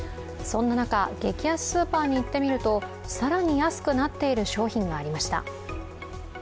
そんな中、激安スーパーに行ってみると更に安くなっている商品がありました。